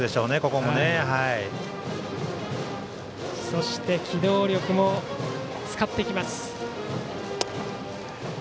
そして機動力も使ってきます。